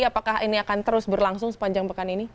apakah ini akan terus berlangsung sepanjang pekan ini